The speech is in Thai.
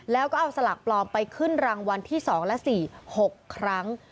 แล้วก็เอาสลากปลอมไปขึ้นรางวัลที่๒และ๔๖ครั้ง